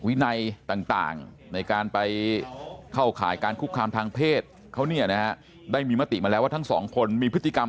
วินัยต่างในการไปเข้าข่ายการคุกคามทางเพศเขาเนี่ยนะฮะได้มีมติมาแล้วว่าทั้งสองคนมีพฤติกรรม